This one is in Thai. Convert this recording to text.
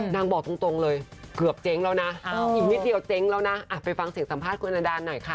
บอกตรงเลยเกือบเจ๊งแล้วนะอีกนิดเดียวเจ๊งแล้วนะไปฟังเสียงสัมภาษณ์คุณอดานหน่อยค่ะ